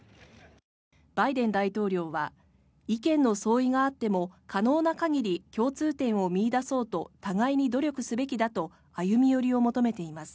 バイデン大統領は意見の相違があっても可能な限り共通点を見いだそうと互いに努力すべきだと歩み寄りを求めています。